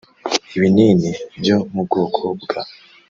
Ibinini byo mu bwoko bwa